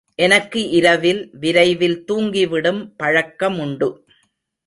எனக்கு இரவில் விரைவில் தூங்கிவிடும் பழக்கமுண்டு.